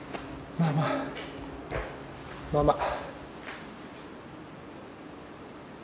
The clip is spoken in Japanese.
まあまあまあまあ。